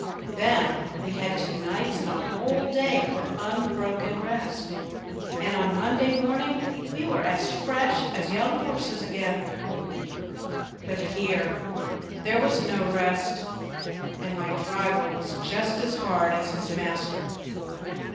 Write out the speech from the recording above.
Then we had two nights and a whole day for unbroken rest, and on Monday morning we were as fresh as young horses again; but here there was no rest, and my driver was just as hard as his master.